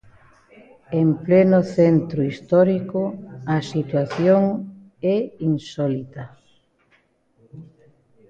En pleno centro histórico, a situación é insólita.